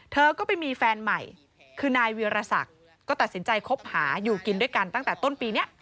เธอก็ไปมีแฟนใหม่คือนายเวียรศักดิ์ก็ตัดสินใจคบหาอยู่กินด้วยกันตั้งแต่ต้นปีนี้